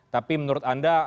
tapi menurut anda